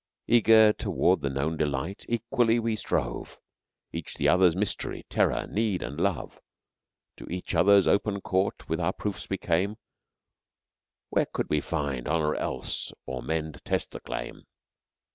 Eager toward the known delight, equally we strove, Each the other's mystery, terror, need, and love. To each other's open court with our proofs we came, Where could we find honour else or men to test the claim?